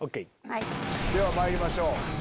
ではまいりましょう！